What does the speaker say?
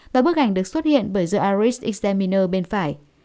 và bức ảnh được xuất hiện bởi the irish examiner bên phải